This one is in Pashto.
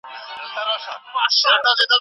موبایل چا ته زنګ وهي؟